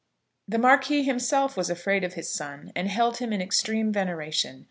The Marquis himself was afraid of his son, and held him in extreme veneration.